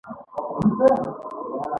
د یاګانو په استعمال کې دقت وکړئ!